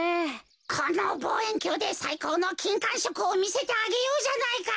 このぼうえんきょうでさいこうのきんかんしょくをみせてあげようじゃないか。